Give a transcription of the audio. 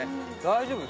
大丈夫？